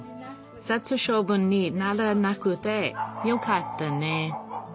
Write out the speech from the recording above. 殺処分にならなくてよかったね。